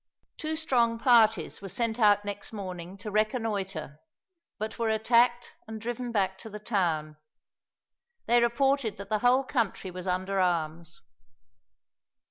Two strong parties were sent out next morning to reconnoiter, but were attacked and driven back to the town. They reported that the whole country was under arms.